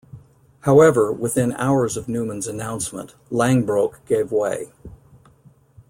However, within hours of Newman's announcement, Langbroek gave way.